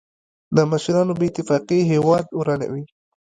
د مشرانو بې اتفاقي هېواد ورانوي.